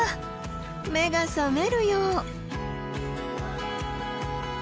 目が覚めるよう。